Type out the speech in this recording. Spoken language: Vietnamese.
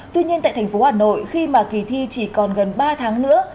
tuy nhiên tại thành phố hà nội khi mà kỳ thi chỉ còn gần ba tháng nữa